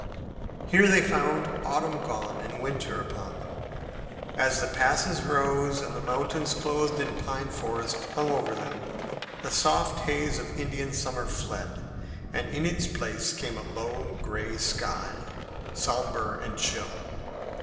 Here they found autumn gone and winter upon them. As the passes rose and the mountains, clothed in pine forest, hung over them, the soft haze of Indian summer fled, and in its place came a low, gray sky, somber and chill.